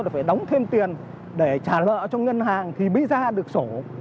là phải đóng thêm tiền để trả lợi cho ngân hàng thì mới ra được sổ